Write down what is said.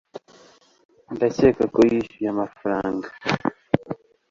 Ndakeka ko yishyuye amafaranga